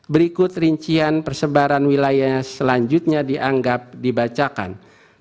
berikut rincian persebaran wilayah selanjutnya dianggap dibacakan